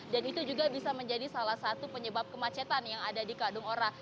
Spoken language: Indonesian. dan itu juga bisa menjadi salah satu penyebab kemacetan yang ada di kadung ora